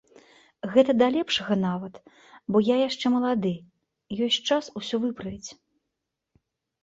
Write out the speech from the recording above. Гэта да лепшага нават, бо я яшчэ малады, ёсць час усё выправіць.